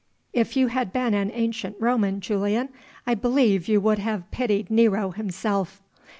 "If you had been an ancient Roman, Julian, I believe you would have pitied Nero himself."